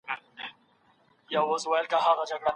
ماشومان له لويانو څخه پوښتني کوي.